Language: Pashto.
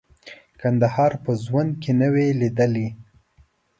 کندهار په ژوند کې نه وې لیدلي.